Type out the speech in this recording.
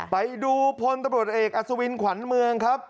ไปดูพลตำรวจเอกอัศวินขวัญเมืองครับ